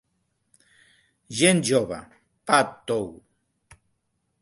Gent jove, pa tou!